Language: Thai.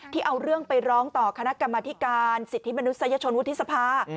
เอาเรื่องไปร้องต่อคณะกรรมธิการสิทธิมนุษยชนวุฒิสภา